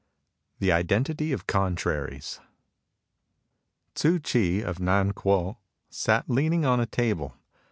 THE IDENTITY OF CONTRARIES Tzfir Ch'i of Nan kuo sat leaning on a table.